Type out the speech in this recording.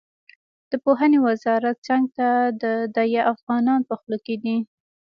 د پوهنې وزارت څنګ ته د ده افغانان په خوله کې.